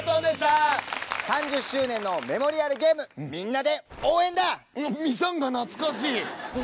３０周年のメモリアルゲームみんなで応援だ！